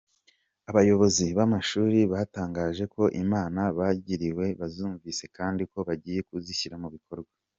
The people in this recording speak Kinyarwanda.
Abayobozi b’amashuri batangaje ko inama bagiriwe bazumvise kandi ko bagiye kuzishyira mu bikorwa.